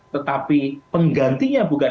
tetapi penggantinya bukan